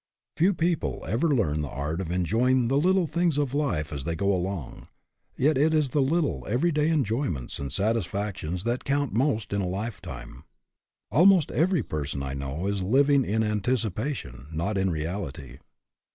Few people ever learn the art of enjoying the little things of life as they go along. Yet it is the little, everyday enjoyments and satis factions that count most in a lifetime. Al most every person I know is living in antici pation, not in reality.